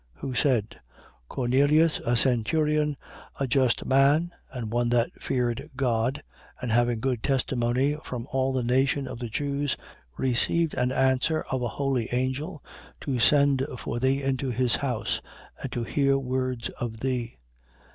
10:22. Who said: Cornelius, a centurion, a just man and one that feareth God, and having good testimony from all the nation of the Jews, received an answer of an holy angel, to send for thee into his house And to hear words of thee.